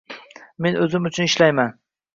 Men o‘zim uchun ishlayman.